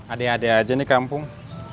adik adik aja nih kampung